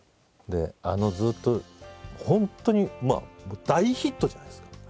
あのずっと本当に大ヒットじゃないですか。